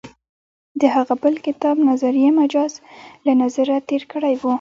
د هغه بل کتاب «نظریه مجاز» له نظره تېر کړی و.